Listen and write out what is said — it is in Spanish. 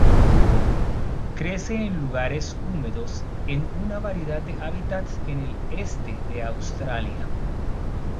Crece en lugares húmedos en una variedad de hábitats en el este de Australia.